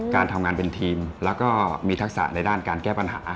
การทำงานเป็นทีมแล้วก็มีทักษะในด้านการแก้ปัญหา